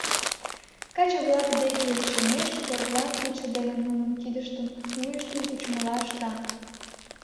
Каче-влак деке лишемеш, торла, кидше дене нунын кидыштым, вуйыштым кучымыла ышта.